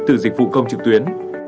từ dịch vụ công trực tuyến